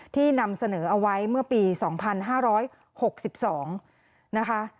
นำเสนอเอาไว้เมื่อปี๒๕๖๒นะคะ